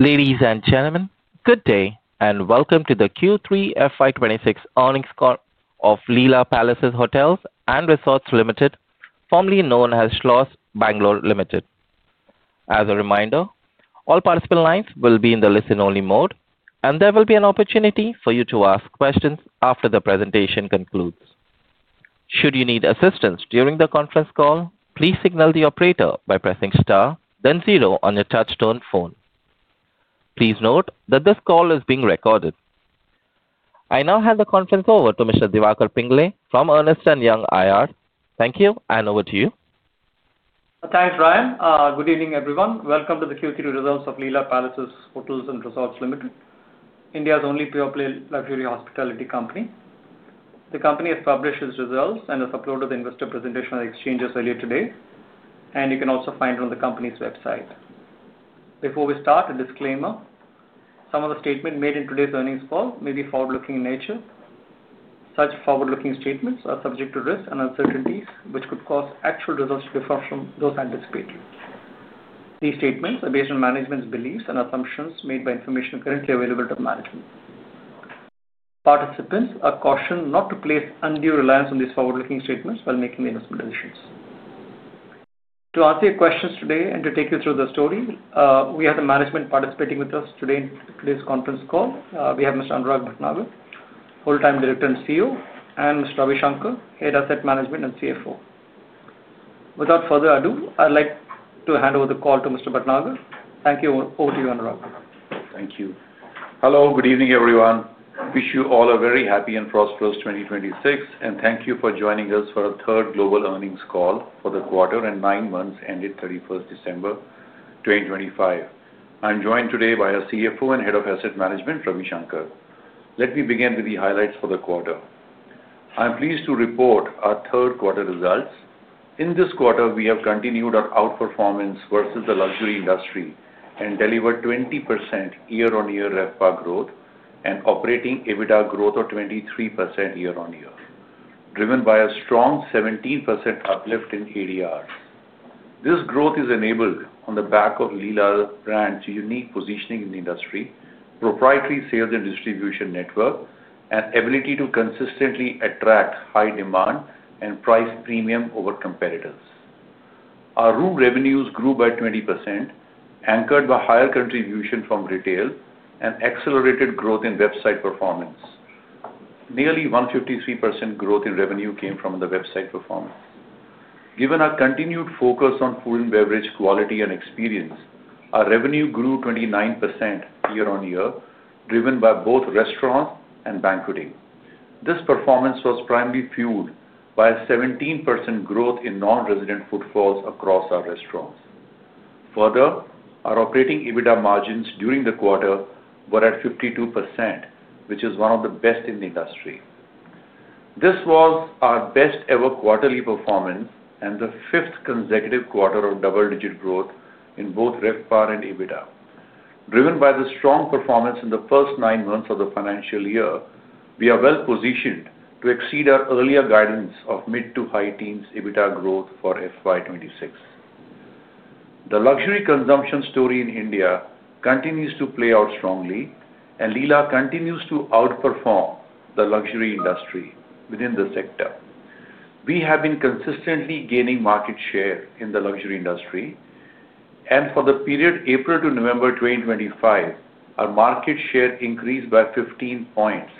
Ladies and gentlemen, good day and welcome to the Q3 FY 2026 earnings call of Leela Palaces Hotels & Resorts Ltd., formerly known as Schloss Bangalore Ltd. As a reminder, all participant lines will be in the listen-only mode, and there will be an opportunity for you to ask questions after the presentation concludes. Should you need assistance during the conference call, please signal the operator by pressing star, then zero on your touch-tone phone. Please note that this call is being recorded. I now hand the conference over to Mr. Divakar Pingle from Ernst & Young IR. Thank you, and over to you. Thanks, Ryan. Good evening, everyone. Welcome to the Q3 results of Leela Palaces Hotels & Resorts Ltd., India's only pure-play luxury hospitality company. The company has published its results and has uploaded the investor presentation on the exchanges earlier today, and you can also find it on the company's website. Before we start, a disclaimer: some of the statements made in today's earnings call may be forward-looking in nature. Such forward-looking statements are subject to risks and uncertainties, which could cause actual results to differ from those anticipated. These statements are based on management's beliefs and assumptions made by information currently available to management. Participants are cautioned not to place undue reliance on these forward-looking statements while making investment decisions. To answer your questions today and to take you through the story, we have the management participating with us today in today's conference call. We have Mr. Anurag Bhatnagar, Full-time Director and CEO, and Mr. Ravi Shankar, Head of Asset Management and CFO. Without further ado, I'd like to hand over the call to Mr. Bhatnagar. Thank you. Over to you, Anurag. Thank you. Hello, good evening, everyone. Wish you all a very happy and prosperous 2026, and thank you for joining us for our third global earnings call for the quarter and nine months ending 31st December 2025. I'm joined today by our CFO and head of asset management, Ravi Shankar. Let me begin with the highlights for the quarter. I'm pleased to report our third quarter results. In this quarter, we have continued our outperformance versus the luxury industry and delivered 20% year-on-year RevPAR growth and operating EBITDA growth of 23% year-on-year, driven by a strong 17% uplift in ADR. This growth is enabled on the back of Leela brand's unique positioning in the industry, proprietary sales and distribution network, and ability to consistently attract high demand and price premium over competitors. Our room revenues grew by 20%, anchored by higher contribution from retail and accelerated growth in website performance. Nearly 153% growth in revenue came from the website performance. Given our continued focus on food and beverage quality and experience, our revenue grew 29% year-on-year, driven by both restaurant and banqueting. This performance was primarily fueled by a 17% growth in non-resident footfalls across our restaurants. Further, our operating EBITDA margins during the quarter were at 52%, which is one of the best in the industry. This was our best-ever quarterly performance and the fifth consecutive quarter of double-digit growth in both RevPAR and EBITDA. Driven by the strong performance in the first nine months of the financial year, we are well positioned to exceed our earlier guidance of mid to high teens EBITDA growth for FY 2026. The luxury consumption story in India continues to play out strongly, and Leela continues to outperform the luxury industry within the sector. We have been consistently gaining market share in the luxury industry, and for the period April to November 2025, our market share increased by 15 points,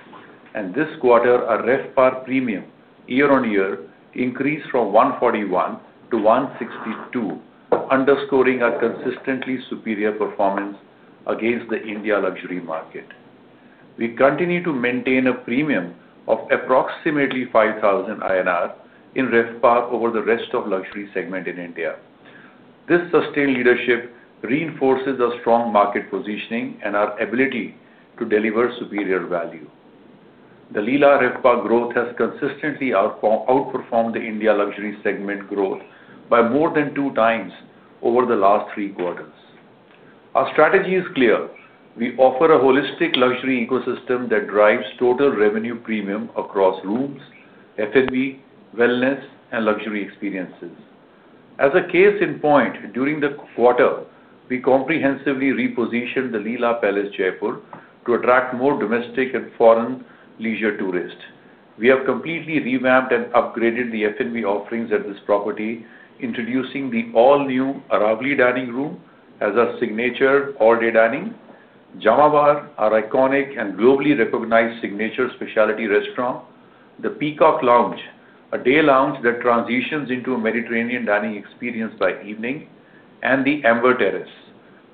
and this quarter, our RevPAR premium year-on-year increased from 141 to 162, underscoring our consistently superior performance against the Indian luxury market. We continue to maintain a premium of approximately 5,000 INR in RevPAR over the rest of the luxury segment in India. This sustained leadership reinforces our strong market positioning and our ability to deliver superior value. The Leela RevPAR growth has consistently outperformed the Indian luxury segment growth by more than two times over the last three quarters. Our strategy is clear. We offer a holistic luxury ecosystem that drives total revenue premium across rooms, F&B, wellness, and luxury experiences. As a case in point, during the quarter, we comprehensively repositioned the Leela Palace Jaipur to attract more domestic and foreign leisure tourists. We have completely revamped and upgraded the F&B offerings at this property, introducing the all-new Aravalli Dining Room as our signature all-day dining, Jamavar, our iconic and globally recognized signature specialty restaurant, the Peacock Lounge, a day lounge that transitions into a Mediterranean dining experience by evening, and the Ambar,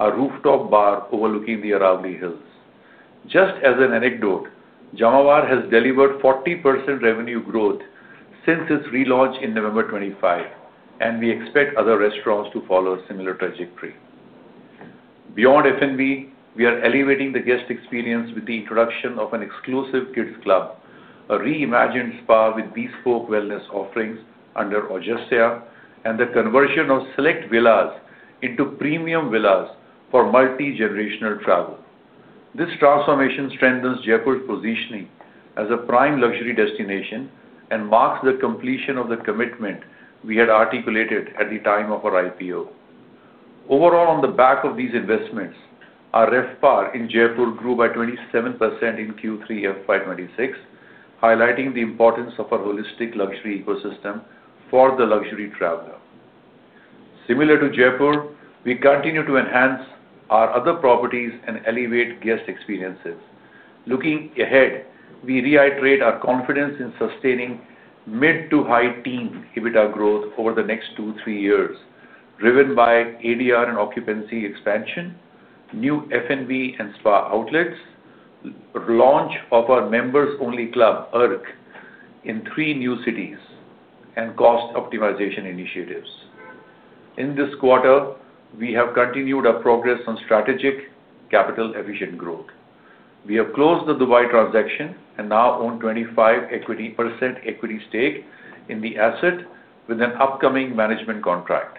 a rooftop bar overlooking the Aravalli Hills. Just as an anecdote, Jamavar has delivered 40% revenue growth since its relaunch in November 25, and we expect other restaurants to follow a similar trajectory. Beyond F&B, we are elevating the guest experience with the introduction of an exclusive Kids Club, a reimagined spa with bespoke wellness offerings under Aujasya, and the conversion of select villas into premium villas for multi-generational travel. This transformation strengthens Jaipur's positioning as a prime luxury destination and marks the completion of the commitment we had articulated at the time of our IPO. Overall, on the back of these investments, our RevPAR in Jaipur grew by 27% in Q3 FY 2026, highlighting the importance of a holistic luxury ecosystem for the luxury traveler. Similar to Jaipur, we continue to enhance our other properties and elevate guest experiences. Looking ahead, we reiterate our confidence in sustaining mid to high teen EBITDA growth over the next two, three years, driven by ADR and occupancy expansion, new F&B and spa outlets, launch of our members-only club, Arq, in three new cities, and cost optimization initiatives. In this quarter, we have continued our progress on strategic capital-efficient growth. We have closed the Dubai transaction and now own 25% equity stake in the asset with an upcoming management contract.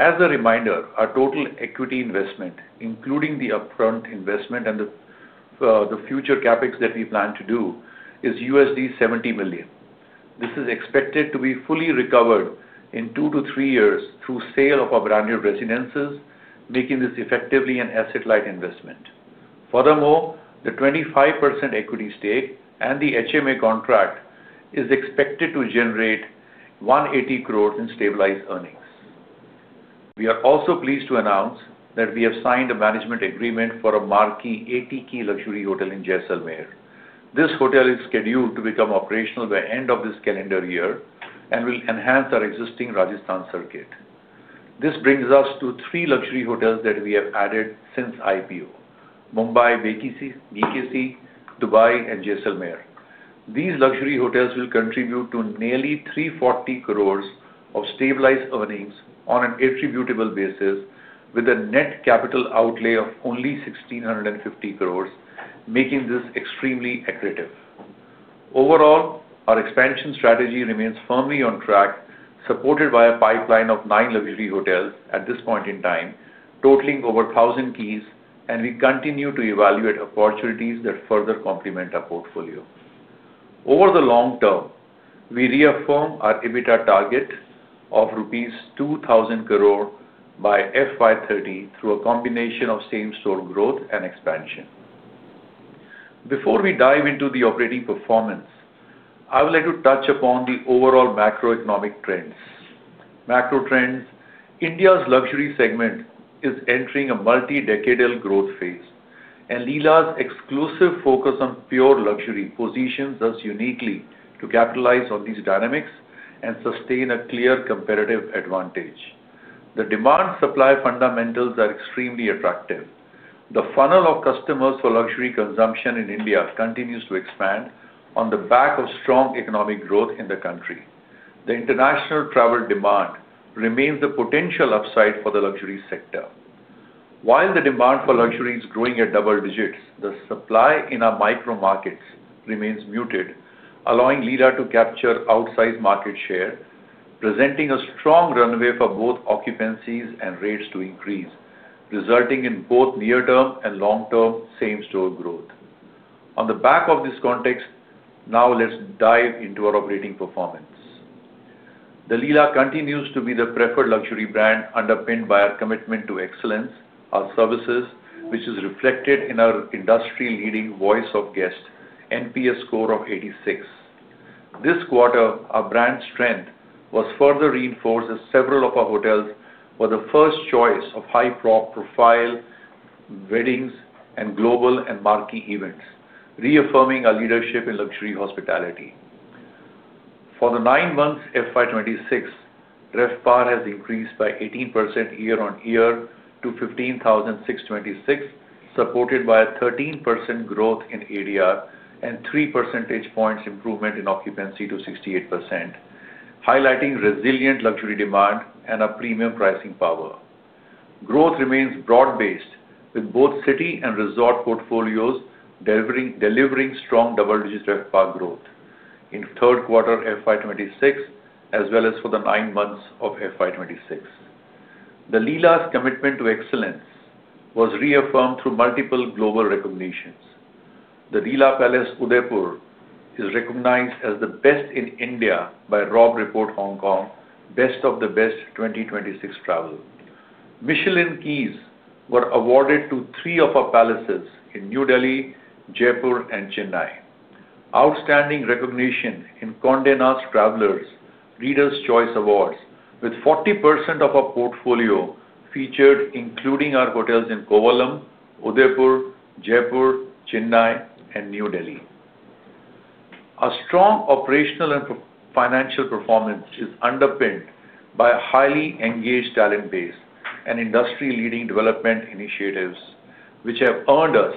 As a reminder, our total equity investment, including the upfront investment and the future capex that we plan to do, is USD 70 million. This is expected to be fully recovered in two to three years through sale of our brand new residences, making this effectively an asset-light investment. Furthermore, the 25% equity stake and the HMA contract are expected to generate 180 crores in stabilized earnings. We are also pleased to announce that we have signed a management agreement for a marquee 80-key luxury hotel in Jaisalmer. This hotel is scheduled to become operational by the end of this calendar year and will enhance our existing Rajasthan circuit. This brings us to three luxury hotels that we have added since IPO: Mumbai, BKC, Dubai, and Jaisalmer. These luxury hotels will contribute to nearly 340 crores of stabilized earnings on an attributable basis, with a net capital outlay of only 1,650 crores, making this extremely accurate. Overall, our expansion strategy remains firmly on track, supported by a pipeline of nine luxury hotels at this point in time, totaling over 1,000 keys, and we continue to evaluate opportunities that further complement our portfolio. Over the long term, we reaffirm our EBITDA target of rupees 2,000 crore by FY 2030 through a combination of same-store growth and expansion. Before we dive into the operating performance, I would like to touch upon the overall macroeconomic trends. Macro trends: India's luxury segment is entering a multi-decadal growth phase, and Leela's exclusive focus on pure luxury positions us uniquely to capitalize on these dynamics and sustain a clear competitive advantage. The demand-supply fundamentals are extremely attractive. The funnel of customers for luxury consumption in India continues to expand on the back of strong economic growth in the country. The international travel demand remains a potential upside for the luxury sector. While the demand for luxury is growing at double digits, the supply in our micro-markets remains muted, allowing Leela to capture outsized market share, presenting a strong runway for both occupancies and rates to increase, resulting in both near-term and long-term same-store growth. On the back of this context, now let's dive into our operating performance. The Leela continues to be the preferred luxury brand underpinned by our commitment to excellence, our services, which is reflected in our industry-leading voice of guest and NPS score of 86. This quarter, our brand strength was further reinforced as several of our hotels were the first choice of high-profile weddings and global and marquee events, reaffirming our leadership in luxury hospitality. For the nine months FY 2026, RevPAR has increased by 18% year-on-year to 15,626, supported by a 13% growth in ADR and 3 percentage points improvement in occupancy to 68%, highlighting resilient luxury demand and our premium pricing power. Growth remains broad-based, with both city and resort portfolios delivering strong double-digit RevPAR growth in third quarter FY 2026 as well as for the nine months of FY 2026. The Leela's commitment to excellence was reaffirmed through multiple global recognitions. The Leela Palace Udaipur is recognized as the best in India by Robb Report Hong Kong, Best of the Best 2026 Travel. Michelin keys were awarded to three of our palaces in New Delhi, Jaipur, and Chennai. Outstanding recognition in Condé Nast Traveler's Reader's Choice Awards, with 40% of our portfolio featured, including our hotels in Kovalam, Udaipur, Jaipur, Chennai, and New Delhi. Our strong operational and financial performance is underpinned by a highly engaged talent base and industry-leading development initiatives, which have earned us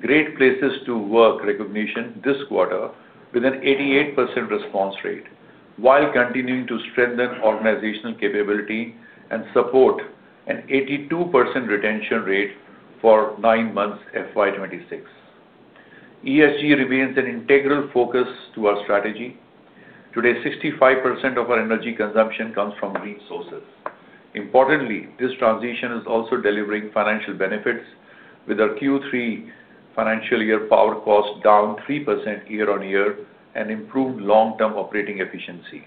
Great Place to Work recognition this quarter with an 88% response rate, while continuing to strengthen organizational capability and support an 82% retention rate for nine months FY 2026. ESG remains an integral focus to our strategy. Today, 65% of our energy consumption comes from green sources. Importantly, this transition is also delivering financial benefits, with our Q3 financial year power cost down 3% year-on-year and improved long-term operating efficiency.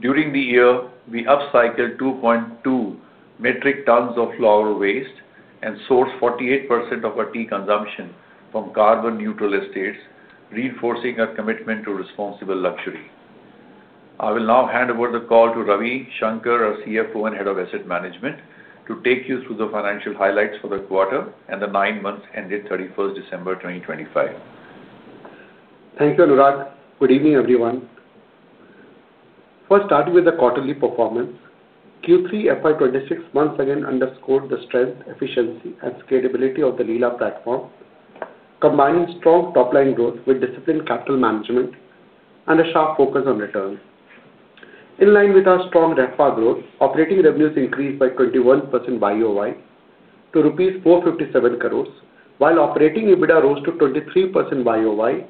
During the year, we upcycled 2.2 metric tons of flower waste and sourced 48% of our tea consumption from carbon-neutral estates, reinforcing our commitment to responsible luxury. I will now hand over the call to Ravi Shankar, our CFO and head of asset management, to take you through the financial highlights for the quarter and the nine months ended 31st December 2025. Thank you, Anurag. Good evening, everyone. First, starting with the quarterly performance, Q3 FY 2026 once again underscored the strength, efficiency, and scalability of the Leela platform, combining strong top-line growth with disciplined capital management and a sharp focus on returns. In line with our strong RevPAR growth, operating revenues increased by 21% year-over-year to rupees 457 crores, while operating EBITDA rose 23% year-over-year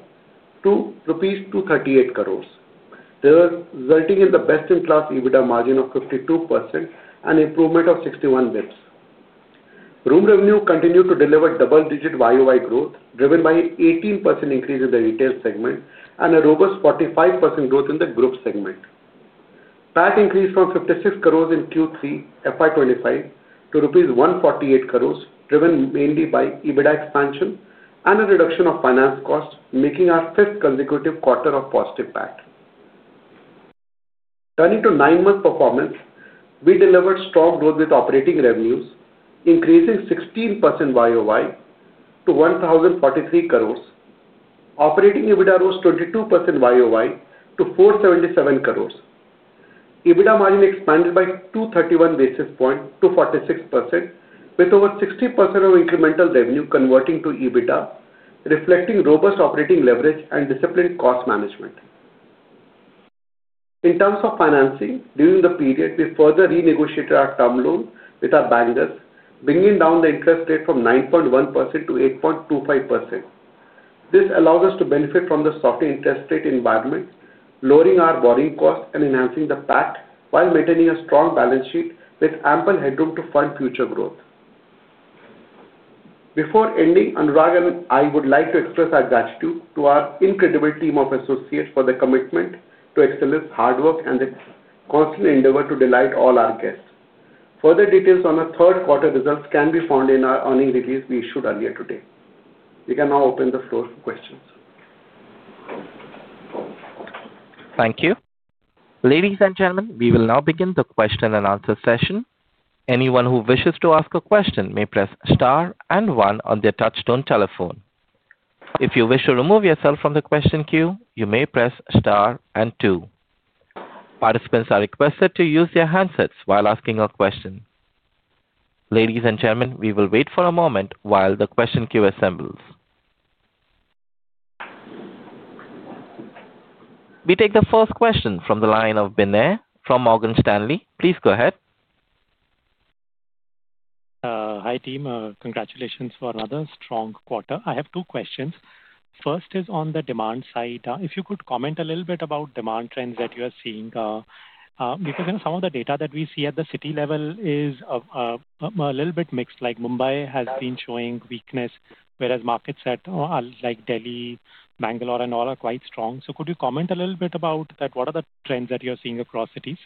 to rupees 238 crores, resulting in the best-in-class EBITDA margin of 52% and improvement of 61 basis points. Room revenue continued to deliver double-digit year-over-year growth, driven by an 18% increase in the retail segment and a robust 45% growth in the group segment. PAT increased from 56 crores in Q3 FY 2025 to INR 148 crores, driven mainly by EBITDA expansion and a reduction of finance costs, making our fifth consecutive quarter of positive PAT. Turning to nine-month performance, we delivered strong growth with operating revenues increasing 16% year-over-year to 1,043 crores. Operating EBITDA rose 22% year-over-year to 477 crores. EBITDA margin expanded by 231 basis points to 46%, with over 60% of incremental revenue converting to EBITDA, reflecting robust operating leverage and disciplined cost management. In terms of financing, during the period, we further renegotiated our term loan with our bankers, bringing down the interest rate from 9.1% to 8.25%. This allows us to benefit from the soft interest rate environment, lowering our borrowing cost and enhancing the PAT while maintaining a strong balance sheet with ample headroom to fund future growth. Before ending, Anurag, I would like to express our gratitude to our incredible team of associates for their commitment to excellence, hard work, and their constant endeavor to delight all our guests. Further details on our third quarter results can be found in our earnings release we issued earlier today. We can now open the floor for questions. Thank you. Ladies and gentlemen, we will now begin the question and answer session. Anyone who wishes to ask a question may press star and one on their touch-tone telephone. If you wish to remove yourself from the question queue, you may press star and two. Participants are requested to use their handsets while asking a question. Ladies and gentlemen, we will wait for a moment while the question queue assembles. We take the first question from the line of Binay from Morgan Stanley. Please go ahead. Hi team. Congratulations for another strong quarter. I have two questions. First is on the demand side. If you could comment a little bit about demand trends that you are seeing, because some of the data that we see at the city level is a little bit mixed, like Mumbai has been showing weakness, whereas markets like Delhi, Bangalore, and all are quite strong. So could you comment a little bit about that? What are the trends that you're seeing across cities?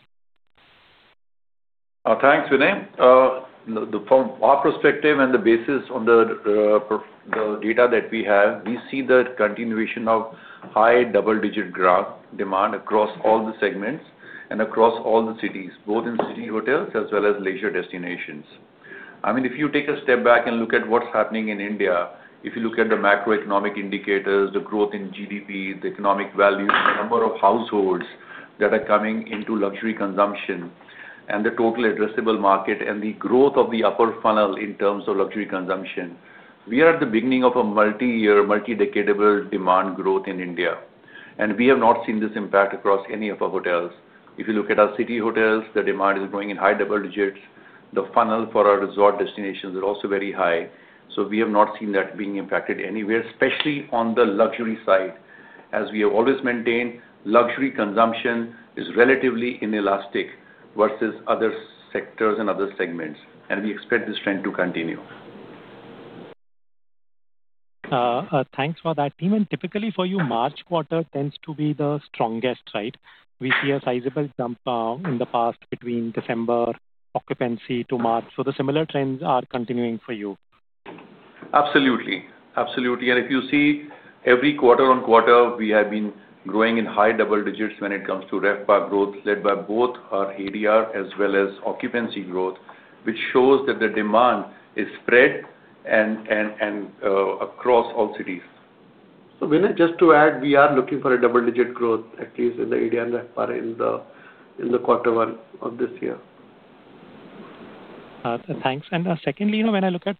Thanks, Binay. From our perspective and based on the data that we have, we see the continuation of high double-digit growth demand across all the segments and across all the cities, both in city hotels as well as leisure destinations. I mean, if you take a step back and look at what's happening in India, if you look at the macroeconomic indicators, the growth in GDP, the economic value, the number of households that are coming into luxury consumption, and the total addressable market, and the growth of the upper funnel in terms of luxury consumption, we are at the beginning of a multi-year, multi-decadal demand growth in India. And we have not seen this impact across any of our hotels. If you look at our city hotels, the demand is growing in high double digits. The funnel for our resort destinations is also very high. So we have not seen that being impacted anywhere, especially on the luxury side, as we have always maintained luxury consumption is relatively inelastic versus other sectors and other segments. And we expect this trend to continue. Thanks for that. Team, and typically for you, March quarter tends to be the strongest, right? We see a sizable jump in the past between December occupancy to March. So the similar trends are continuing for you. Absolutely. Absolutely. And if you see, every quarter on quarter, we have been growing in high double digits when it comes to RevPAR growth, led by both our ADR as well as occupancy growth, which shows that the demand is spread across all cities. So Binay, just to add, we are looking for a double-digit growth, at least in the ADR and RevPAR in the quarter one of this year. Thanks. And secondly, when I look at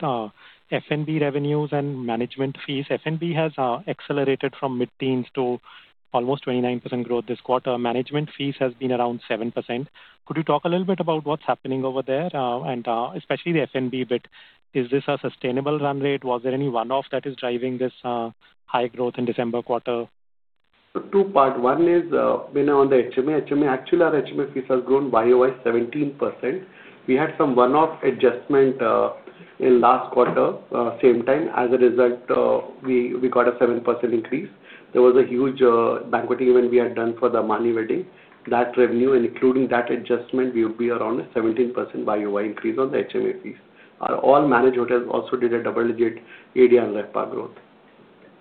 F&B revenues and management fees, F&B has accelerated from mid-teens to almost 29% growth this quarter. Management fees have been around 7%. Could you talk a little bit about what's happening over there, and especially the F&B bit? Is this a sustainable run rate? Was there any one-off that is driving this high growth in December quarter? Two part. One is, Binay, on the HMA. HMA, actually, our HMA fees have grown by year-over-year 17%. We had some one-off adjustment in last quarter, same time. As a result, we got a 7% increase. There was a huge banqueting event we had done for the Mahika wedding. That revenue, and including that adjustment, we would be around a 17% by year-over-year increase on the HMA fees. Our all-managed hotels also did a double-digit ADR and RevPAR growth.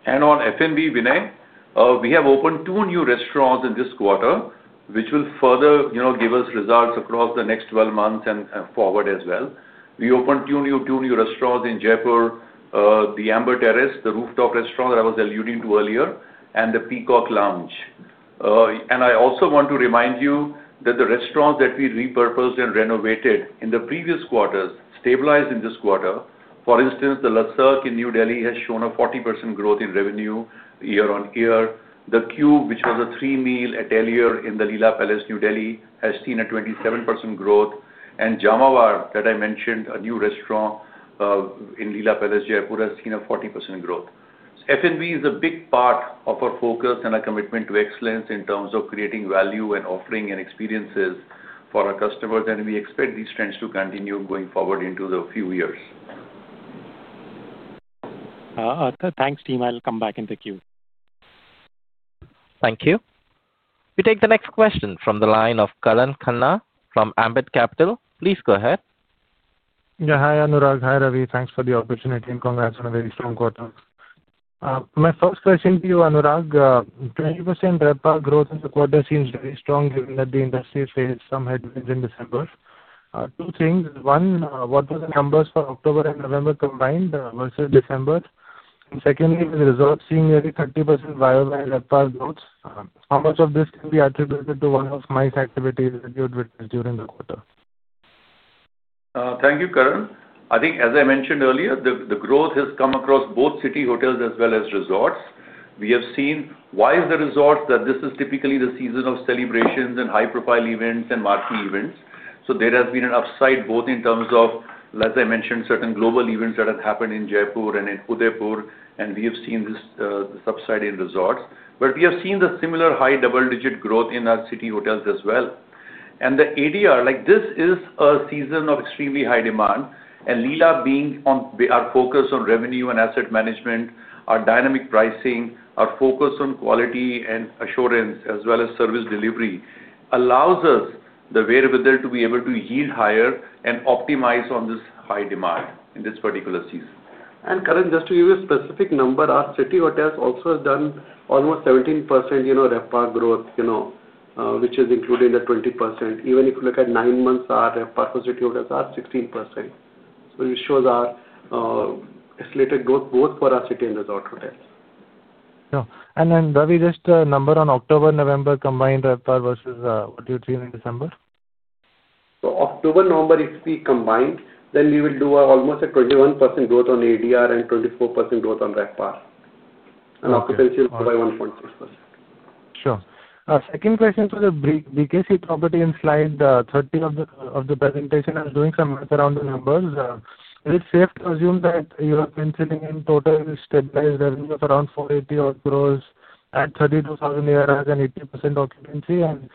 And on FNB, Binay, we have opened two new restaurants in this quarter, which will further give us results across the next 12 months and forward as well. We opened two new restaurants in Jaipur, the Ambar Terrace, the rooftop restaurant that I was alluding to earlier, and the Peacock Lounge. And I also want to remind you that the restaurants that we repurposed and renovated in the previous quarters stabilized in this quarter. For instance, the Le Cirque in New Delhi has shown a 40% growth in revenue year-on-year. The Qube, which was a three-meal atelier in the Leela Palace, New Delhi, has seen a 27% growth. And Jamavar, that I mentioned, a new restaurant in Leela Palace, Jaipur, has seen a 40% growth. FNB is a big part of our focus and our commitment to excellence in terms of creating value and offering and experiences for our customers. And we expect these trends to continue going forward into the few years. Thanks, team. I'll come back in the queue. Thank you. We take the next question from the line of Karan Khanna from Ambit Capital. Please go ahead. Yeah. Hi, Anurag. Hi, Ravi. Thanks for the opportunity and congrats on a very strong quarter. My first question to you, Anurag, 20% RevPAR growth in the quarter seems very strong given that the industry faced some headwinds in December. Two things. One, what were the numbers for October and November combined versus December? And secondly, with results seeing nearly 30% viable RevPAR growth, how much of this can be attributed to one-off MICE activity that you had witnessed during the quarter? Thank you, Karan. I think, as I mentioned earlier, the growth has come across both city hotels as well as resorts. We have seen, vis-à-vis the resorts, that this is typically the season of celebrations and high-profile events and marquee events. So there has been an upside both in terms of, as I mentioned, certain global events that have happened in Jaipur and in Udaipur, and we have seen this upside in resorts. But we have seen the similar high double-digit growth in our city hotels as well. And the ADR, this is a season of extremely high demand. And Leela being our focus on revenue and asset management, our dynamic pricing, our focus on quality and assurance as well as service delivery allows us the way with it to be able to yield higher and optimize on this high demand in this particular season. And Karan, just to give you a specific number, our city hotels also have done almost 17% RevPAR growth, which is included in the 20%. Even if you look at nine months, our RevPAR for city hotels are 16%. So it shows our escalated growth both for our city and resort hotels. And then, Ravi, just a number on October, November combined RevPAR versus what you're seeing in December? So, October, November, if we combine, then we will do almost a 21% growth on ADR and 24% growth on RevPAR. And occupancy will go by 1.6%. Sure. Second question for the BKC property in slide 13 of the presentation. I'm doing some math around the numbers. Is it safe to assume that you have been sitting in total stabilized revenue of around 480 or gross at 32,000 ARRs and 80% occupancy? And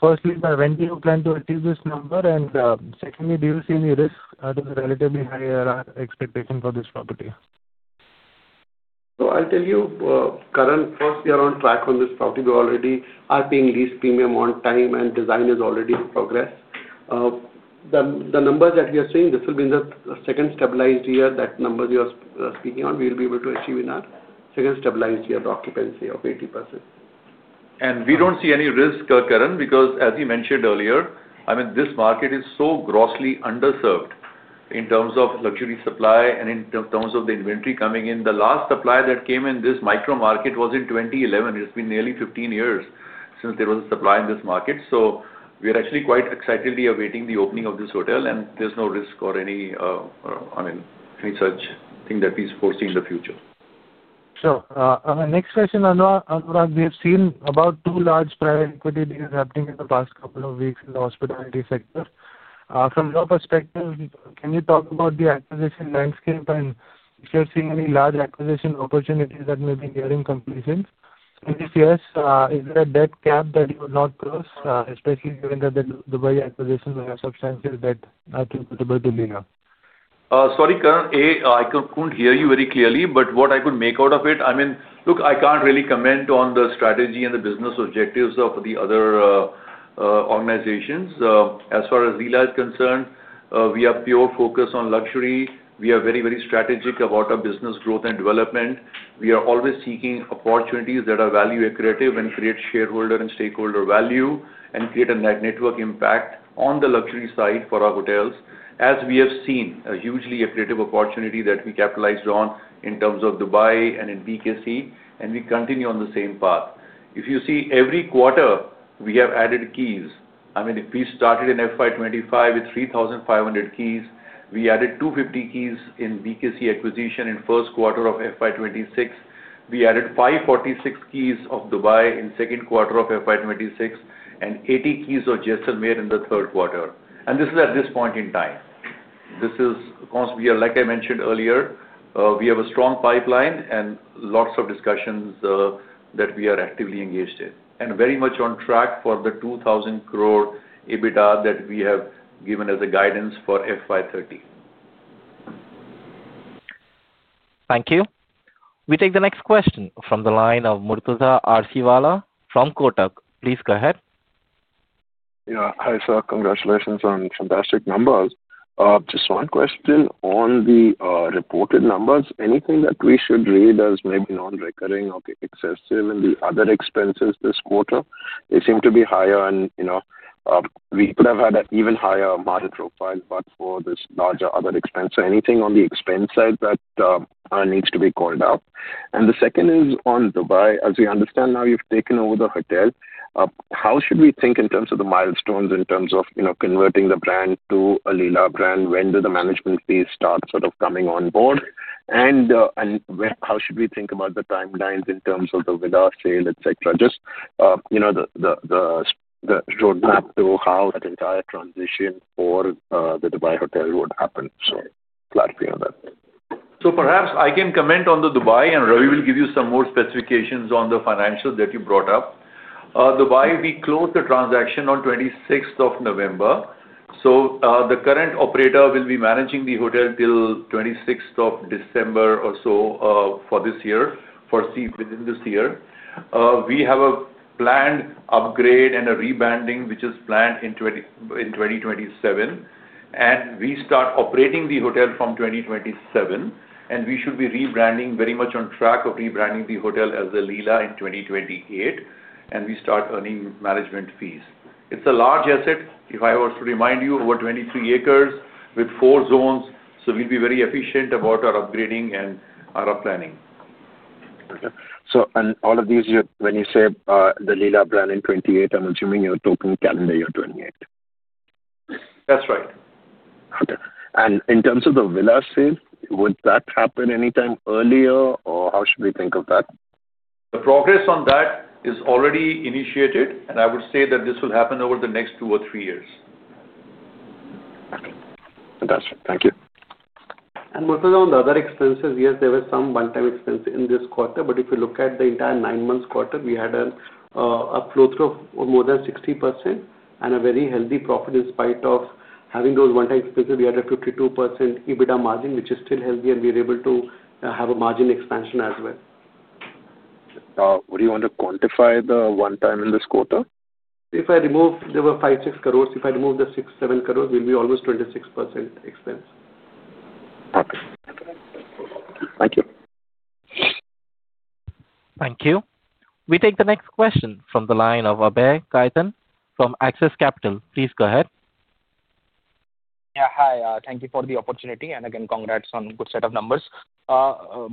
firstly, when do you plan to achieve this number? And secondly, do you see any risk to the relatively high ARR expectation for this property? So I'll tell you, Karan, first, we are on track on this property. We already are paying lease premium on time, and design is already in progress. The numbers that we are seeing, this will be in the second stabilized year that numbers you are speaking on, we will be able to achieve in our second stabilized year the occupancy of 80%. And we don't see any risk, Karan, because, as you mentioned earlier, I mean, this market is so grossly underserved in terms of luxury supply and in terms of the inventory coming in. The last supply that came in this micro market was in 2011. It's been nearly 15 years since there was a supply in this market. So we are actually quite excitedly awaiting the opening of this hotel, and there's no risk or any, I mean, any such thing that we foresee in the future. Sure. And the next question, Anurag, we have seen about two large private equity deals happening in the past couple of weeks in the hospitality sector. From your perspective, can you talk about the acquisition landscape and if you're seeing any large acquisition opportunities that may be nearing completion? And if yes, is there a debt cap that you will not close, especially given that the Dubai acquisition will have substantial debt attributable to Leela? Sorry, Karan, I couldn't hear you very clearly, but what I could make out of it, I mean, look, I can't really comment on the strategy and the business objectives of the other organizations. As far as Leela is concerned, we have pure focus on luxury. We are very, very strategic about our business growth and development. We are always seeking opportunities that are value-accretive and create shareholder and stakeholder value and create a network impact on the luxury side for our hotels, as we have seen a hugely accretive opportunity that we capitalized on in terms of Dubai and in BKC, and we continue on the same path. If you see, every quarter, we have added keys. I mean, if we started in FY 2025 with 3,500 keys, we added 250 keys in BKC acquisition in first quarter of FY 2026. We added 546 keys of Dubai in second quarter of FY 2026 and 80 keys of Jaisalmer in the third quarter, and this is at this point in time. This is, like I mentioned earlier, we have a strong pipeline and lots of discussions that we are actively engaged in and very much on track for the 2,000 crore EBITDA that we have given as a guidance for FY 2030. Thank you. We take the next question from the line of Murtuza Arsiwalla from Kotak. Please go ahead. Yeah. Hi, sir. Congratulations on fantastic numbers. Just one question on the reported numbers. Anything that we should read as maybe non-recurring or excessive in the other expenses this quarter? They seem to be higher, and we could have had an even higher margin profile, but for this larger other expense. So anything on the expense side that needs to be called out? And the second is on Dubai. As we understand now, you've taken over the hotel. How should we think in terms of the milestones in terms of converting the brand to a Leela brand? When do the management fees start sort of coming on board? And how should we think about the timelines in terms of the window sale, etc.? Just the roadmap to how that entire transition for the Dubai hotel would happen. So clarity on that. So perhaps I can comment on the Dubai, and Ravi will give you some more specifications on the financials that you brought up. Dubai, we closed the transaction on 26th of November. So the current operator will be managing the hotel till 26th of December or so for this year, Q4 within this year. We have a planned upgrade and a rebranding, which is planned in 2027. We start operating the hotel from 2027, and we should be rebranding very much on track of rebranding the hotel as a Leela in 2028, and we start earning management fees. It's a large asset, if I was to remind you, over 23 acres with four zones. We'll be very efficient about our upgrading and our planning. Okay. All of these, when you say the Leela brand in 2028, I'm assuming you're talking calendar year 2028. That's right. Okay. In terms of the window sale, would that happen anytime earlier, or how should we think of that? The progress on that is already initiated, and I would say that this will happen over the next two or three years. Okay. Fantastic. Thank you. Murtuza, on the other expenses, yes, there were some one-time expenses in this quarter, but if you look at the entire nine-months quarter, we had an upflow through of more than 60% and a very healthy profit in spite of having those one-time expenses. We had a 52% EBITDA margin, which is still healthy, and we were able to have a margin expansion as well. What do you want to quantify the one-time in this quarter? If I remove there were 5 crore, 6 crores, if I remove the 6 crore, 7 crores, we'll be almost 26% expense. Okay. Thank you. Thank you. We take the next question from the line of Abhay Khaitan from Axis Capital. Please go ahead. Yeah. Hi. Thank you for the opportunity, and again, congrats on a good set of numbers.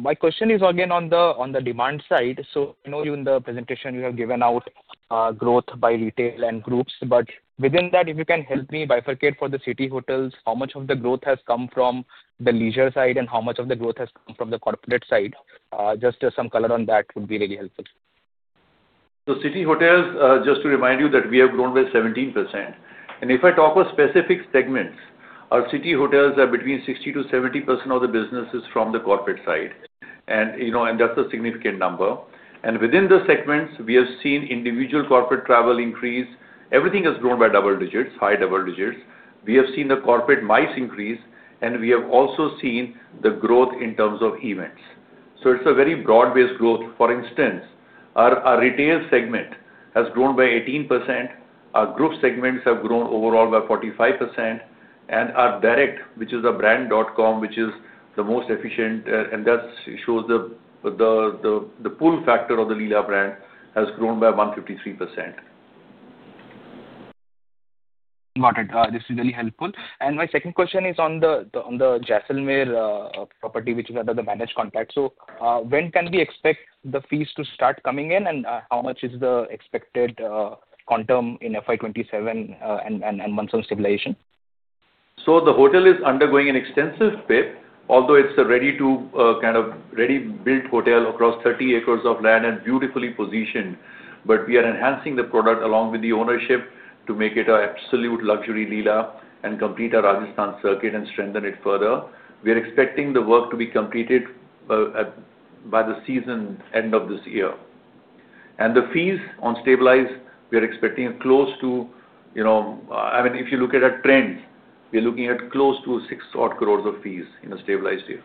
My question is again on the demand side. So I know you in the presentation you have given out growth by leisure and groups, but within that, if you can help me bifurcate for the city hotels, how much of the growth has come from the leisure side and how much of the growth has come from the corporate side? Just some color on that would be really helpful. So city hotels, just to remind you that we have grown by 17%. And if I talk of specific segments, our city hotels are between 60%-70% of the businesses from the corporate side, and that's a significant number. And within the segments, we have seen individual corporate travel increase. Everything has grown by double digits, high double digits. We have seen the corporate MICE increase, and we have also seen the growth in terms of events. So it's a very broad-based growth. For instance, our retail segment has grown by 18%. Our group segments have grown overall by 45%. And our direct, which is a brand.com, which is the most efficient, and that shows the pull factor of the Leela brand has grown by 153%. Got it. This is really helpful. And my second question is on the Jaisalmer property, which is under the managed contract. So when can we expect the fees to start coming in, and how much is the expected quantum in FY 2027 and months of stabilization? So the hotel is undergoing an extensive fit, although it's a ready-to-kind of ready-built hotel across 30 acres of land and beautifully positioned. But we are enhancing the product along with the ownership to make it an absolute luxury Leela and complete our Rajasthan circuit and strengthen it further. We are expecting the work to be completed by the season end of this year. And the fees once stabilize, we are expecting close to, I mean, if you look at our trends, we are looking at close to six odd crores of fees in a stabilized year.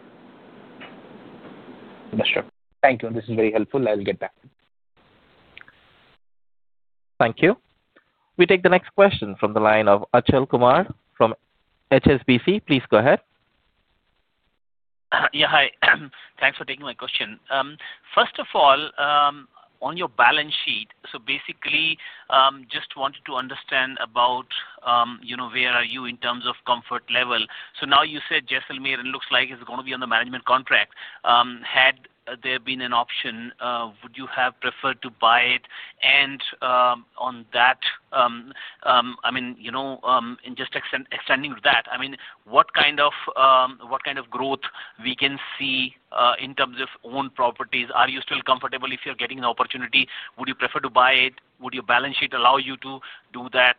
Understood. Thank you. This is very helpful. I'll get back to you. Thank you. We take the next question from the line of Achal Kumar from HSBC. Please go ahead. Yeah. Hi. Thanks for taking my question. First of all, on your balance sheet, so basically, just wanted to understand about where are you in terms of comfort level. So now you said Jaisalmer, and it looks like it's going to be on the management contract. Had there been an option, would you have preferred to buy it? On that, I mean, just extending to that, I mean, what kind of growth we can see in terms of owned properties? Are you still comfortable if you're getting an opportunity? Would you prefer to buy it? Would your balance sheet allow you to do that?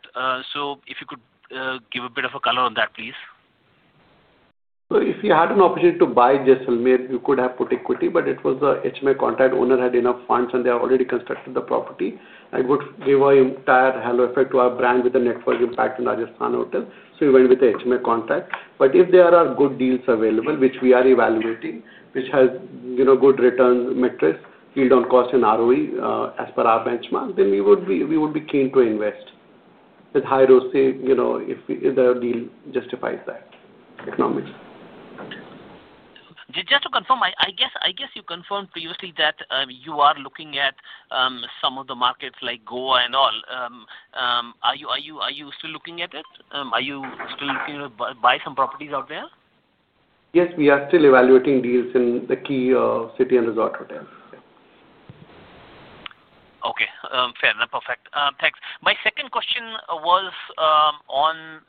So if you could give a bit of a color on that, please. If you had an opportunity to buy Jaisalmer, you could have put equity, but it was the HMA contract. Owner had enough funds, and they already constructed the property. I would give an entire halo effect to our brand with the network impact in Rajasthan hotels. We went with the HMA contract. But if there are good deals available, which we are evaluating, which have good return metrics, yield on cost and ROE as per our benchmark, then we would be keen to invest with high ROIC if the deal justifies that economically. Just to confirm, I guess you confirmed previously that you are looking at some of the markets like Goa and all. Are you still looking at it? Are you still looking to buy some properties out there? Yes. We are still evaluating deals in the key cities and resort hotels. Okay. Fair. That's perfect. Thanks. My second question was on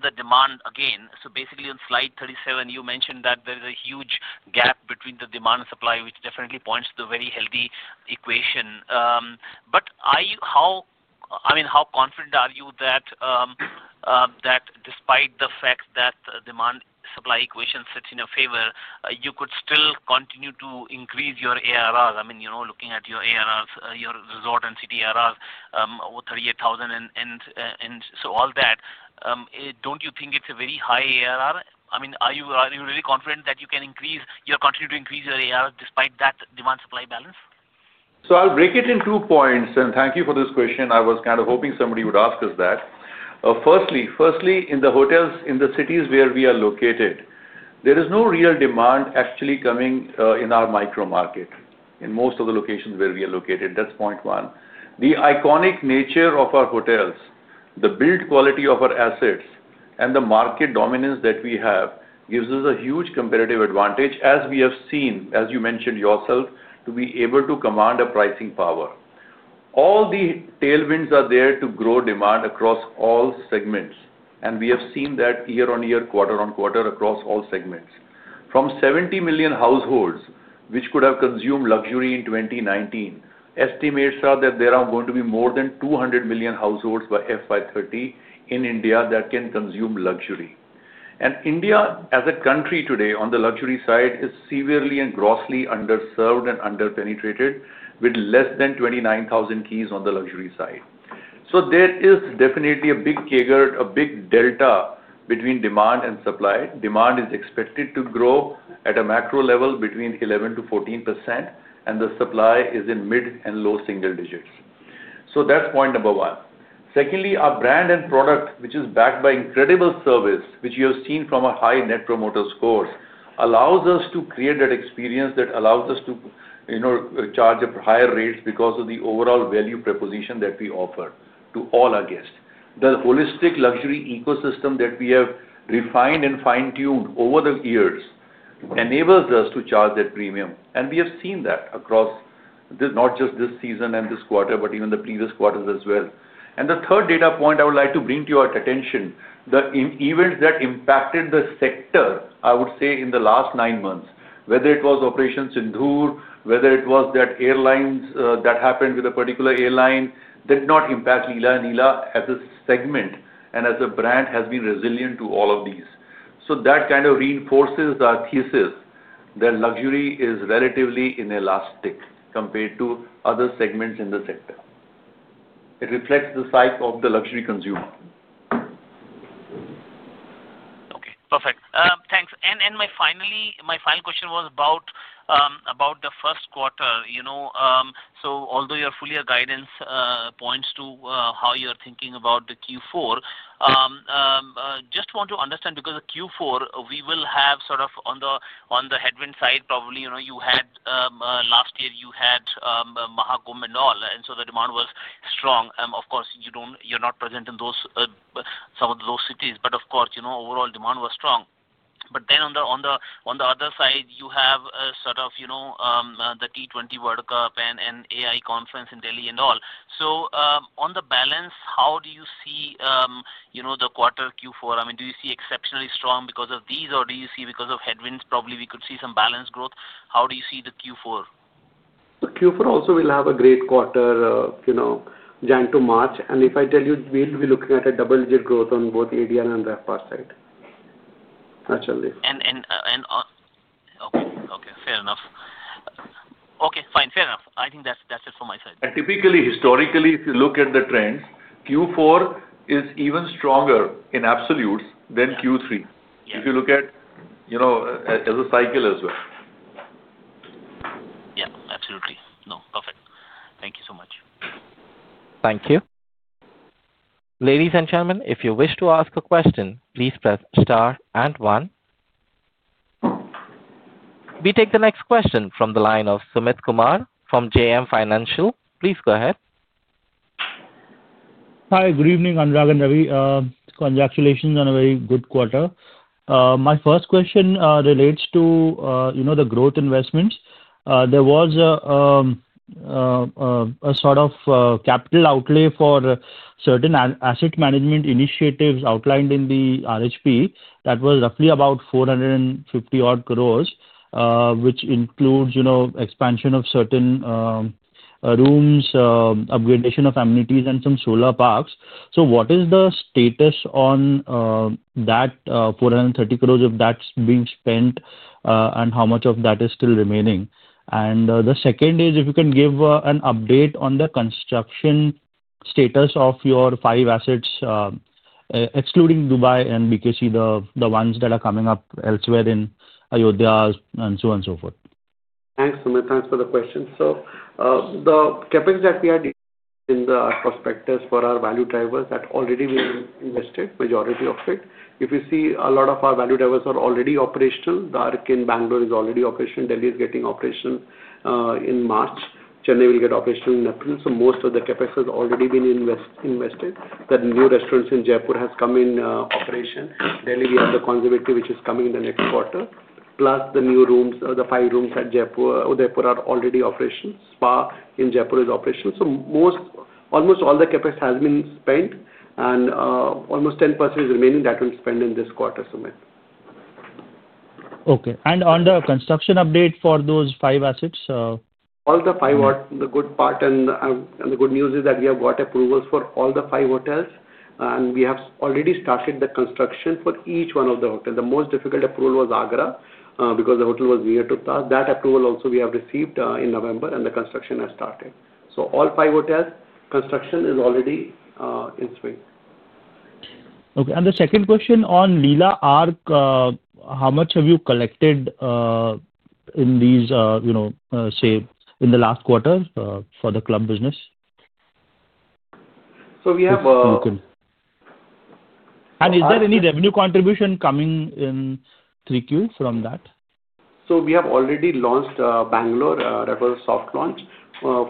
the demand again. So basically, on slide 37, you mentioned that there is a huge gap between the demand and supply, which definitely points to the very healthy equation. But I mean, how confident are you that despite the fact that the demand-supply equation sits in your favor, you could still continue to increase your ARR? I mean, looking at your ARRs, your resort and city ARRs, over 38,000 and so all that, don't you think it's a very high ARR? I mean, are you really confident that you can increase your continuity to increase your ARR despite that demand-supply balance? I'll break it into two points, and thank you for this question. I was kind of hoping somebody would ask us that. Firstly, in the hotels in the cities where we are located, there is no real demand actually coming in our micro market in most of the locations where we are located. That's point one. The iconic nature of our hotels, the built quality of our assets, and the market dominance that we have gives us a huge competitive advantage, as we have seen, as you mentioned yourself, to be able to command a pricing power. All the tailwinds are there to grow demand across all segments, and we have seen that year on year, quarter on quarter, across all segments. From 70 million households, which could have consumed luxury in 2019, estimates are that there are going to be more than 200 million households by FY 2030 in India that can consume luxury. And India, as a country today on the luxury side, is severely and grossly underserved and underpenetrated with less than 29,000 keys on the luxury side. So there is definitely a big delta between demand and supply. Demand is expected to grow at a macro level between 11%-14%, and the supply is in mid and low single digits. So that's point number one. Secondly, our brand and product, which is backed by incredible service, which you have seen from our high Net Promoter Scores, allows us to create that experience that allows us to charge at higher rates because of the overall value proposition that we offer to all our guests. The holistic luxury ecosystem that we have refined and fine-tuned over the years enables us to charge that premium, and we have seen that across not just this season and this quarter, but even the previous quarters as well. The third data point I would like to bring to your attention, the events that impacted the sector, I would say, in the last nine months, whether it was Operation Sindhur, whether it was that airlines that happened with a particular airline, did not impact Leela and Leela as a segment, and as a brand, has been resilient to all of these. So that kind of reinforces our thesis that luxury is relatively inelastic compared to other segments in the sector. It reflects the psyche of the luxury consumer. Okay. Perfect. Thanks. My final question was about the first quarter. Although your full year guidance points to how you're thinking about the Q4, just want to understand because the Q4, we will have sort of on the headwind side, probably you had last year, you had Mahakumbh and all, and so the demand was strong. Of course, you're not present in some of those cities, but of course, overall demand was strong. But then on the other side, you have sort of the T20 World Cup and AI conference in Delhi and all. So on the balance, how do you see the quarter Q4? I mean, do you see exceptionally strong because of these, or do you see because of headwinds? Probably we could see some balance growth. How do you see the Q4? The Q4 also will have a great quarter, Jan to March. And if I tell you, we'll be looking at a double-digit growth on both ADR and RevPAR side. That's all. And okay. Fair enough. Okay. Fine. Fair enough. I think that's it from my side. And typically, historically, if you look at the trends, Q4 is even stronger in absolutes than Q3 if you look at as a cycle as well. Yeah. Absolutely. No. Perfect. Thank you so much. Thank you. Ladies and gentlemen, if you wish to ask a question, please press star and one. We take the next question from the line of Sumit Kumar from JM Financial. Please go ahead. Hi. Good evening, Anurag and Ravi. Congratulations on a very good quarter. My first question relates to the growth investments. There was a sort of capital outlay for certain asset management initiatives outlined in the RHP. That was roughly about 450-odd crores, which includes expansion of certain rooms, upgradation of amenities, and some solar parks. So what is the status on that 430 crores if that's being spent, and how much of that is still remaining? The second is if you can give an update on the construction status of your five assets, excluding Dubai and BKC, the ones that are coming up elsewhere in Ayodhya, and so on and so forth. Thanks, Sumit. Thanks for the question. So the CapEx that we are in the prospectus for our value drivers that already been invested, majority of it, if you see a lot of our value drivers are already operational. Arc in Bangalore is already operational. Delhi is getting operational in March. Chennai will get operational in April. So most of the CapEx has already been invested. The new restaurants in Jaipur have come in operation. Delhi, we have the conservatory, which is coming in the next quarter, plus the new rooms, the five rooms at Jaipur. They are already operational. Spa in Jaipur is operational. So almost all the CapEx has been spent, and almost 10% is remaining that will be spent in this quarter, Sumit. Okay. And on the construction update for those five assets? All the five-odd, the good part and the good news is that we have got approvals for all the five hotels, and we have already started the construction for each one of the hotels. The most difficult approval was Agra because the hotel was near to us. That approval also we have received in November, and the construction has started. So all five hotels, construction is already in swing. Okay. And the second question on Leela Arc, how much have you collected in these, say, in the last quarter for the club business? And is there any revenue contribution coming in 3Q from that? So we have already launched Bangalore Leela Arc soft launch.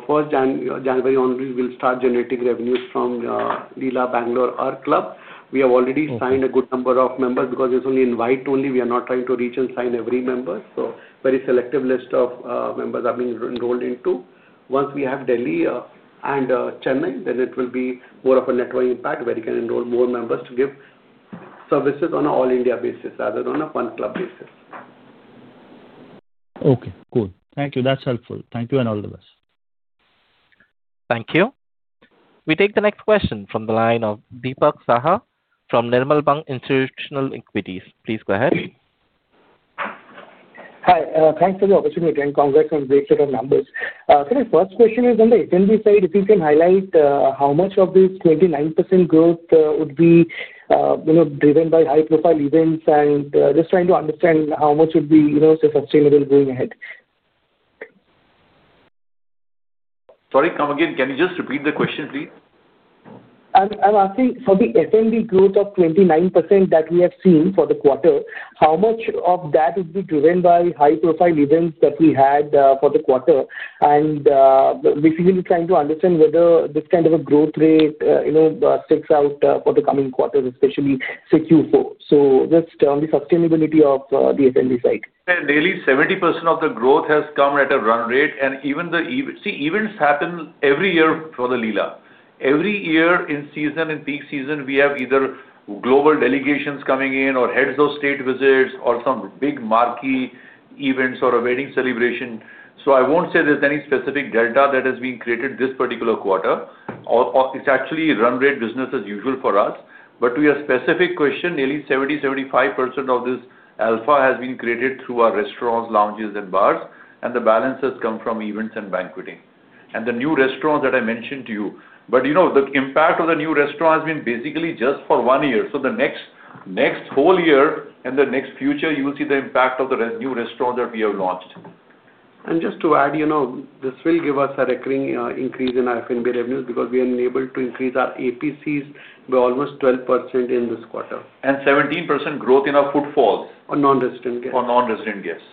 first January only, we'll start generating revenues from the Leela Arc. We have already signed a good number of members because it's only invite only. We are not trying to reach and sign every member. So very selective list of members have been enrolled into. Once we have Delhi and Chennai, then it will be more of a networking pack where you can enroll more members to give services on an all-India basis rather than on a one-club basis. Okay. Cool. Thank you. That's helpful. Thank you and all the best. Thank you. We take the next question from the line of Deepak Saha from Nirmal Bang Institutional Equities. Please go ahead. Hi. Thanks for the opportunity. Congrats on the great set of numbers. So my first question is on the F&B side, if you can highlight how much of this 29% growth would be driven by high-profile events and just trying to understand how much would be sustainable going ahead. Sorry. Come again. Can you just repeat the question, please? I'm asking for the F&B growth of 29% that we have seen for the quarter, how much of that would be driven by high-profile events that we had for the quarter? And basically, we're trying to understand whether this kind of a growth rate sticks out for the coming quarters, especially Q4. So just on the sustainability of the F&B side. Delhi, 70% of the growth has come at a run rate. And even the see, events happen every year for the Leela. Every year in season, in peak season, we have either global delegations coming in or heads of state visits or some big marquee events or a wedding celebration. So I won't say there's any specific delta that has been created this particular quarter. It's actually run rate business as usual for us. But to your specific question, nearly 70%-75% of this alpha has been created through our restaurants, lounges, and bars. And the balance has come from events and banqueting. And the new restaurants that I mentioned to you. But the impact of the new restaurant has been basically just for one year. So the next whole year and the next future, you'll see the impact of the new restaurants that we have launched. Just to add, this will give us a recurring increase in our FMB revenues because we are enabled to increase our APCs by almost 12% in this quarter. And 17% growth in our footfalls. On non-resident guests. On non-resident guests.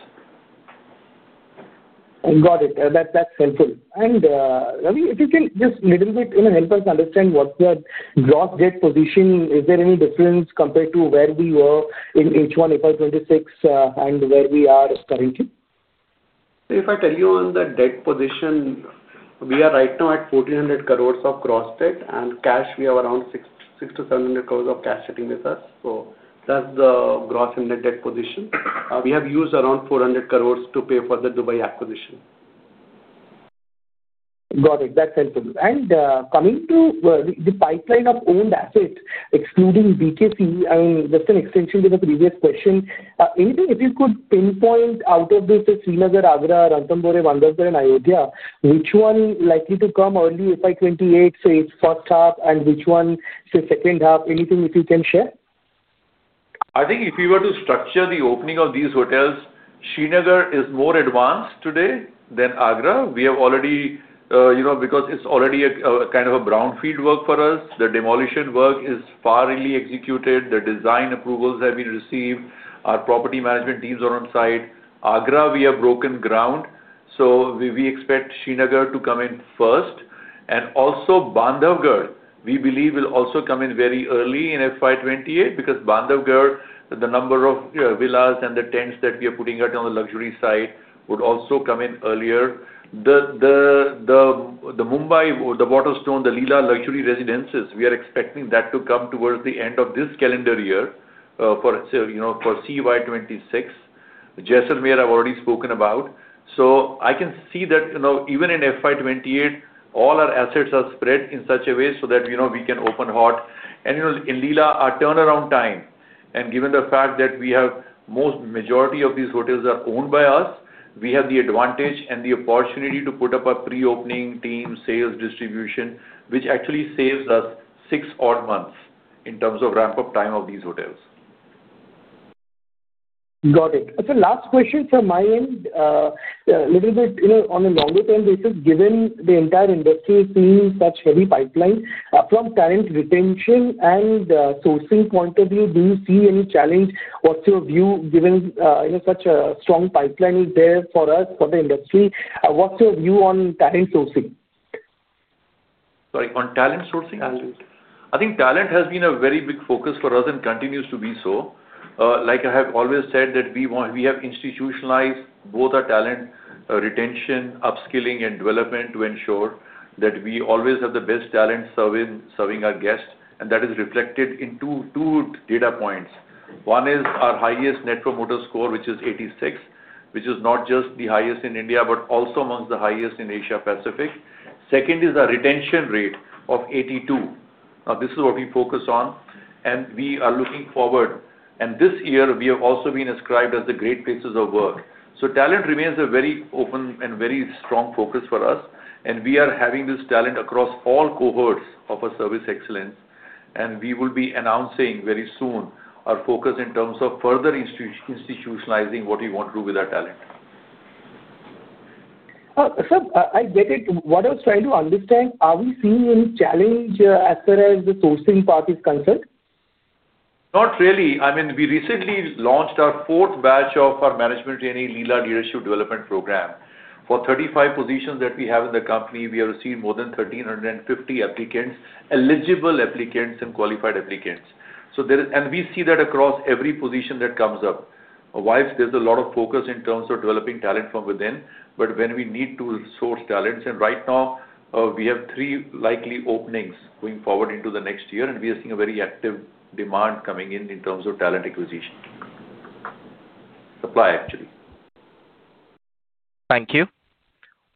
Got it. That's helpful. And Ravi, if you can just a little bit help us understand what's the gross debt position, is there any difference compared to where we were in H1, FY 2025, FY 2026, and where we are currently? So if I tell you on the debt position, we are right now at 1,400 crores of gross debt, and cash, we have around 600-700 crores of cash sitting with us. So that's the gross and net debt position. We have used around 400 crores to pay for the Dubai acquisition. Got it. That's helpful. Coming to the pipeline of owned assets, excluding BKC, I mean, just an extension to the previous question, anything if you could pinpoint out of this Srinagar, Agra, Ranthambore, Bandhavgarh, and Ayodhya, which one likely to come early FY 2028, say, first half, and which one, say, second half? Anything if you can share? I think if you were to structure the opening of these hotels, Srinagar is more advanced today than Agra. We have already, because it's already kind of a brownfield work for us. The demolition work is finally executed. The design approvals have been received. Our property management teams are on site. Agra, we have broken ground. So we expect Srinagar to come in first. Bandhavgarh, we believe, will also come in very early in FY 2028 because Bandhavgarh, the number of villas and the tents that we are putting out on the luxury side would also come in earlier. The Mumbai, the Waterstones, the Leela luxury residences, we are expecting that to come towards the end of this calendar year for FY 2026. Jaisalmer I've already spoken about. I can see that even in FY 2028, all our assets are spread in such a way so that we can open hot. In Leela, our turnaround time, and given the fact that most majority of these hotels are owned by us, we have the advantage and the opportunity to put up a pre-opening team, sales, distribution, which actually saves us six-odd months in terms of ramp-up time of these hotels. Got it. So last question from my end, a little bit on a longer-term basis, given the entire industry seeing such heavy pipeline, from talent retention and sourcing point of view, do you see any challenge? What's your view given such a strong pipeline is there for us, for the industry? What's your view on talent sourcing? Sorry. On talent sourcing? Talent. I think talent has been a very big focus for us and continues to be so. Like I have always said that we have institutionalized both our talent retention, upskilling, and development to ensure that we always have the best talent serving our guests. And that is reflected in two data points. One is our highest Net Promoter Score, which is 86, which is not just the highest in India, but also amongst the highest in Asia-Pacific. Second is our retention rate of 82. Now, this is what we focus on, and we are looking forward. This year, we have also been recognized as a Great Place to Work. Talent remains a very open and very strong focus for us, and we are having this talent across all cohorts of our service excellence. We will be announcing very soon our focus in terms of further institutionalizing what we want to do with our talent. So I get it. What I was trying to understand, are we seeing any challenge as far as the sourcing part is concerned? Not really. I mean, we recently launched our fourth batch of our management trainee Leela Leadership Development Program. For 35 positions that we have in the company, we have received more than 1,350 applicants, eligible applicants and qualified applicants. We see that across every position that comes up. While there's a lot of focus in terms of developing talent from within, but when we need to source talents, and right now, we have three likely openings going forward into the next year, and we are seeing a very active demand coming in in terms of talent acquisition. Supply, actually. Thank you.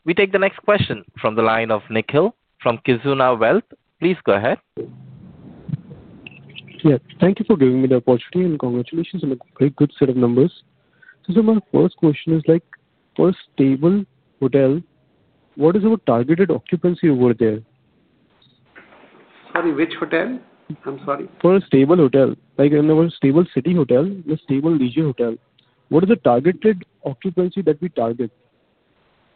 We take the next question from the line of Nikhil from Kizuna Wealth. Please go ahead. Yes. Thank you for giving me the opportunity, and congratulations on a very good set of numbers, so my first question is, for a stable hotel, what is our targeted occupancy over there? Sorry, which hotel? I'm sorry. For a stable hotel, like in our stable city hotel and a stable leisure hotel, what is the targeted occupancy that we target?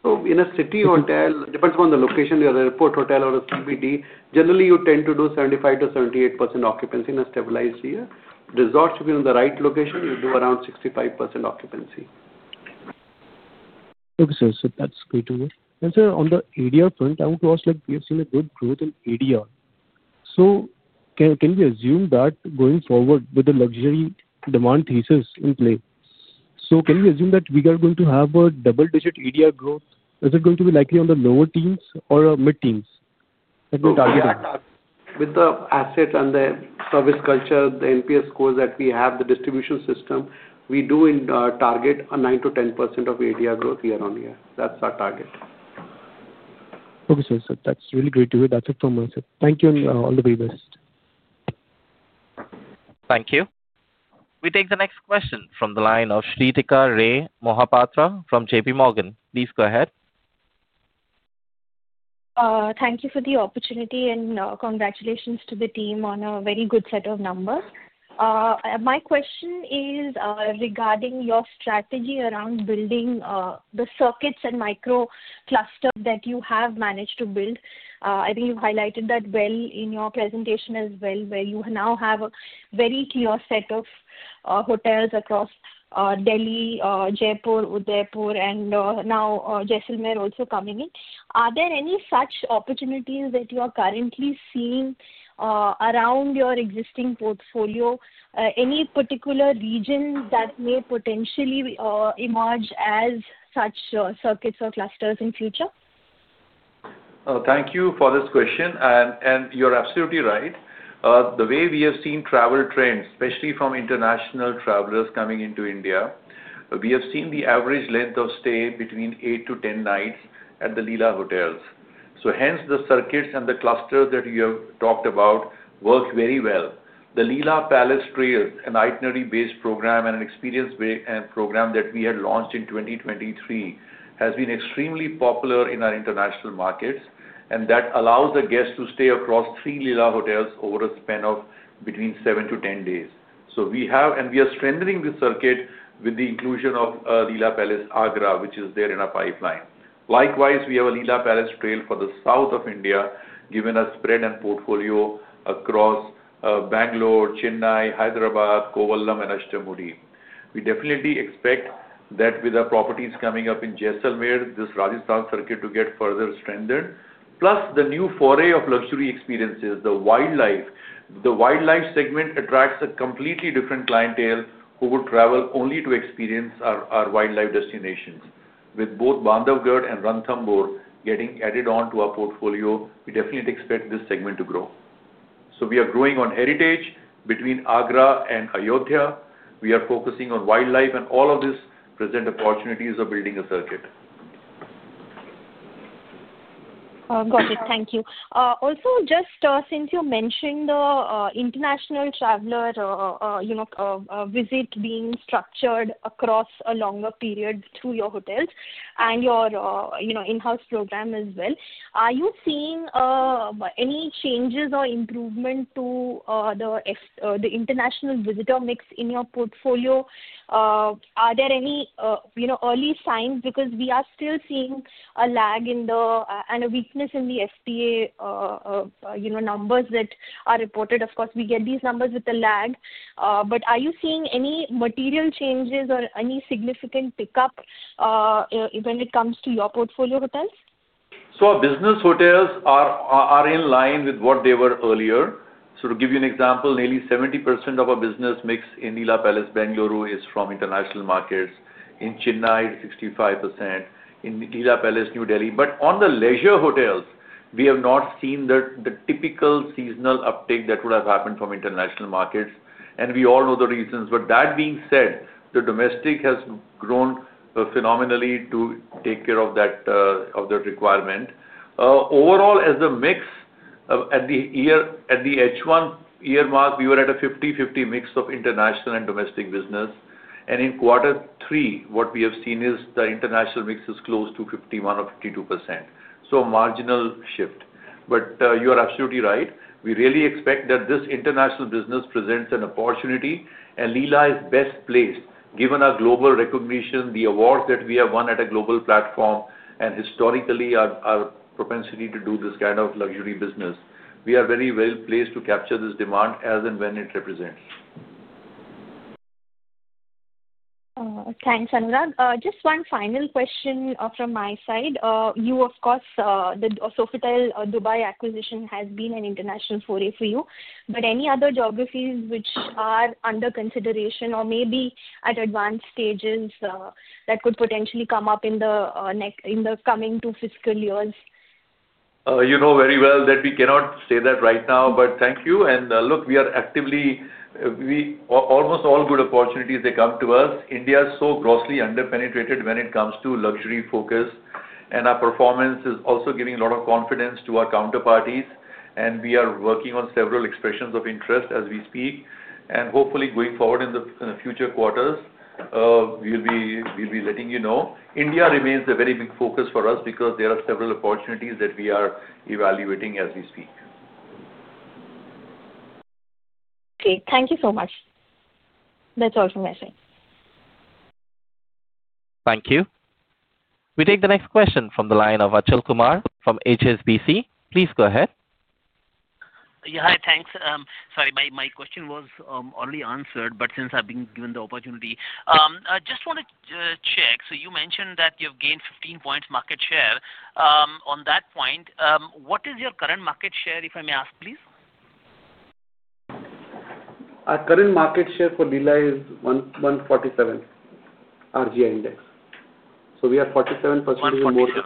So in a city hotel, it depends upon the location. You have an airport hotel or a CBD. Generally, you tend to do 75%-78% occupancy in a stabilized year. Resorts should be in the right location. You do around 65% occupancy. Okay, sir. So that's good to know. And sir, on the ADR front, I would also like we have seen a good growth in ADR. So can we assume that going forward with the luxury demand thesis in play? So can we assume that we are going to have a double-digit ADR growth? Is it going to be likely on the lower teens or mid-teens that we target? With the asset and the service culture, the NPS scores that we have, the distribution system, we do target 9%-10% of ADR growth year on year. That's our target. Okay, sir. So that's really great to hear. That's it from my side. Thank you, and all the very best. Thank you. We take the next question from the line of Sreetika Ray Mohapatra from JPMorgan. Please go ahead. Thank you for the opportunity, and congratulations to the team on a very good set of numbers. My question is regarding your strategy around building the circuits and microcluster that you have managed to build. I think you've highlighted that well in your presentation as well, where you now have a very clear set of hotels across Delhi, Jaipur, Udaipur, and now Jaisalmer also coming in. Are there any such opportunities that you are currently seeing around your existing portfolio, any particular region that may potentially emerge as such circuits or clusters in future? Thank you for this question. And you're absolutely right. The way we have seen travel trends, especially from international travelers coming into India, we have seen the average length of stay between eight to 10 nights at the Leela hotels. So hence, the circuits and the clusters that you have talked about work very well. The Leela Palace Trail, an itinerary-based program and an experience program that we had launched in 2023, has been extremely popular in our international markets, and that allows the guests to stay across three Leela hotels over a span of between seven to 10 days. So we have, and we are strengthening the circuit with the inclusion of Leela Palace Agra, which is there in our pipeline. Likewise, we have a Leela Palace Trail for the south of India, giving us spread and portfolio across Bangalore, Chennai, Hyderabad, Kovalam, and Ashtamudi. We definitely expect that with the properties coming up in Jaisalmer, this Rajasthan circuit to get further strengthened, plus the new foray of luxury experiences, the wildlife. The wildlife segment attracts a completely different clientele who would travel only to experience our wildlife destinations. With both Bandhavgarh and Ranthambore getting added on to our portfolio, we definitely expect this segment to grow. So we are growing on heritage between Agra and Ayodhya. We are focusing on wildlife, and all of this presents opportunities of building a circuit. Got it. Thank you. Also, just since you mentioned the international traveler visit being structured across a longer period through your hotels and your in-house program as well, are you seeing any changes or improvement to the international visitor mix in your portfolio? Are there any early signs? Because we are still seeing a lag and a weakness in the FTA numbers that are reported. Of course, we get these numbers with the lag. But are you seeing any material changes or any significant pickup when it comes to your portfolio hotels? So our business hotels are in line with what they were earlier. So to give you an example, nearly 70% of our business mix in Leela Palace, Bangalore, is from international markets. In Chennai, it's 65%. In Leela Palace, New Delhi. But on the leisure hotels, we have not seen the typical seasonal uptake that would have happened from international markets. And we all know the reasons. But that being said, the domestic has grown phenomenally to take care of that requirement. Overall, as the mix at the H1 average, we were at a 50/50 mix of international and domestic business. In quarter three, what we have seen is the international mix is close to 51% or 52%. So a marginal shift. But you are absolutely right. We really expect that this international business presents an opportunity, and Leela is best placed, given our global recognition, the awards that we have won at a global platform, and historically, our propensity to do this kind of luxury business. We are very well placed to capture this demand as and when it represents. Thanks, Anurag. Just one final question from my side. You, of course, the Sofitel Dubai acquisition has been an international foray for you. But any other geographies which are under consideration or maybe at advanced stages that could potentially come up in the coming two fiscal years? You know very well that we cannot say that right now, but thank you. Look, we are actively almost all good opportunities that come to us. India is so grossly underpenetrated when it comes to luxury focus, and our performance is also giving a lot of confidence to our counterparties. We are working on several expressions of interest as we speak. Hopefully, going forward in the future quarters, we'll be letting you know. India remains a very big focus for us because there are several opportunities that we are evaluating as we speak. Okay. Thank you so much. That's all from my side. Thank you. We take the next question from the line of Achal Kumar from HSBC. Please go ahead. Yeah. Hi. Thanks. Sorry. My question was already answered, but since I've been given the opportunity, I just want to check. So you mentioned that you have gained 15 points market share. On that point, what is your current market share, if I may ask, please? Our current market share for Leela is 147 RGI index. So we are 47% more than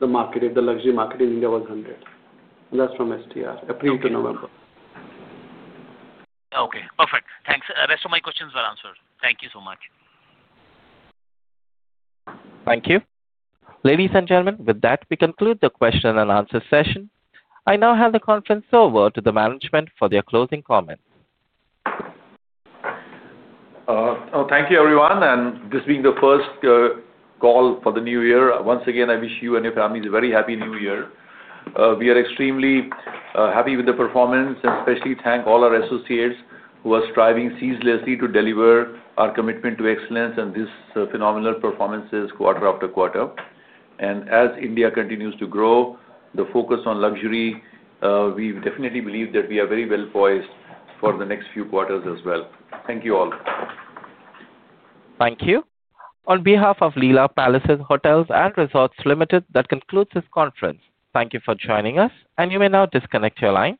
the market. The luxury market in India was 100. And that's from STR, April to November. Okay. Perfect. Thanks. The rest of my questions were answered. Thank you so much. Thank you. Ladies and gentlemen, with that, we conclude the question and answer session. I now hand the conference over to the management for their closing comments. Thank you, everyone. And this being the first call for the new year, once again, I wish you and your families a very happy new year. We are extremely happy with the performance, and especially thank all our associates who are striving ceaselessly to deliver our commitment to excellence and these phenomenal performances quarter after quarter. And as India continues to grow, the focus on luxury, we definitely believe that we are very well poised for the next few quarters as well. Thank you all. Thank you. On behalf of Leela Palaces Hotels and Resorts Limited, that concludes this conference. Thank you for joining us, and you may now disconnect your line.